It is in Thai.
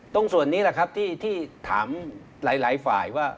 ตรงส่วนนี้แหละครับที่ถามหลายฝ่ายว่า